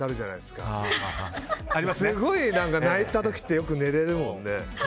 すごい泣いた時ってよく寝られるもんね。